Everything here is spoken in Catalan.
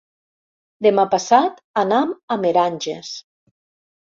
Demà passat anam a Meranges.